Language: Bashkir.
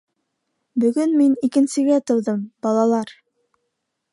- Бөгөн мин икенсегә тыуҙым, балалар!